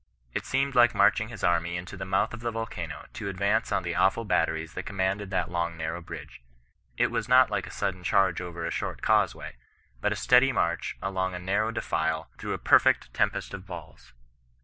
It seemed like marching his army into the mouth of the volcano to advance on the awful batteries that commanded that long narrow bridge. It was not like a sudden charge over a short causeway ; but a steady march along a narrow defile, through a per fect tempest of balls.